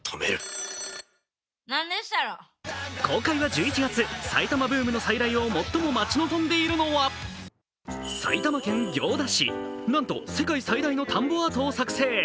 公開は１１月、埼玉ブームの再来を最も待ち望んでいるのは埼玉県行田市、なんと世界最大の田んぼアートを作成。